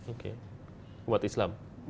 oke buat islam